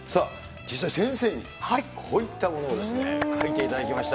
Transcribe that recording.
実際先生に、こういったものをですね、描いていただきました。